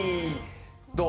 どう？